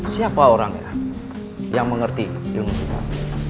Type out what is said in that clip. siapa orangnya yang mengerti ilmu kita